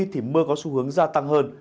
thì mưa có xu hướng gia tăng hơn